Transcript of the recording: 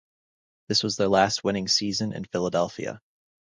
This was their last winning season in Philadelphia.